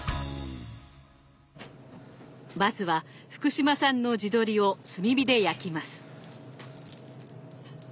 まずは福島産の地鶏を炭火で焼きます。